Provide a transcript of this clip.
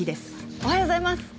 おはようございます。